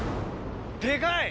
でかい！